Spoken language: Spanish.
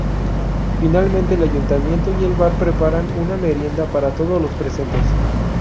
Finalmente el ayuntamiento y el bar preparan una merienda para todos los presentes.